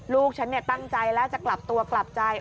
ลูกฉันตั้งใจแล้วจะกลับตัวกลับใจ